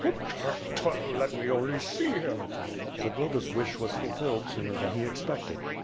"Tut, tut, tut, let me only see him." Zagloba's wish was fulfilled sooner than he expected.